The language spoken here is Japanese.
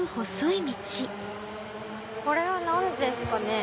これは何ですかね？